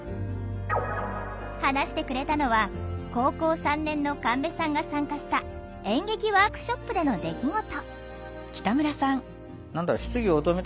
話してくれたのは高校３年の神戸さんが参加した演劇ワークショップでの出来事。